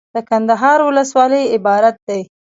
دکندهار ولسوالۍ عبارت دي.